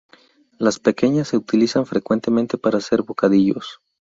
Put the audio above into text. Las pequeñas se utilizan frecuentemente para hacer bocadillos.